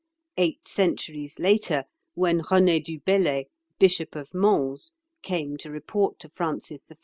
Eight centuries later, when René du Bellay, Bishop of Mans, came to report to Francis I.